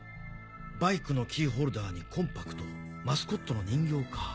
バイクのキーホルダーにコンパクトマスコットの人形か。